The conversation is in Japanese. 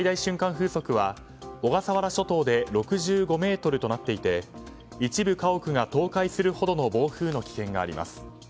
風速は小笠原諸島で６５メートルとなっていて一部家屋が倒壊するほどの暴風の危険があります。